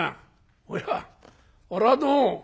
「おやこれはどうも。